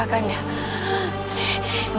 maafkan dinda kakanda